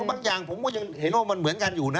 บางอย่างผมก็ยังเห็นว่ามันเหมือนกันอยู่นะ